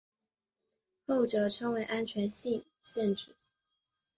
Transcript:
后者称为安全性限制。